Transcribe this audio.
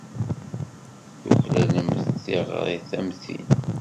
Tuklalemt tiɣrit am tin!